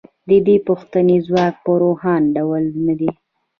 د دې پوښتنې ځواب په روښانه ډول نه دی